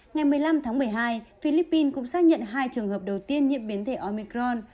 ngày một mươi năm tháng một mươi hai philippines cũng xác nhận hai trường hợp đầu tiên nhiễm biến thể omicron